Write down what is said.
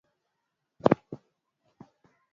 mkulima anaweza kuvuna viazi lishe kwa mkono